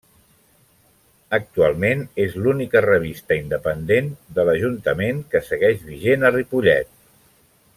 Actualment és l'única revista independent de l'Ajuntament que segueix vigent a Ripollet.